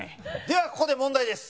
ではここで問題です！